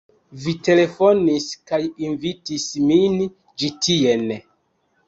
Vi telefonis kaj invitis min ĉi tien.